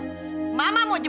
kena yang kenceng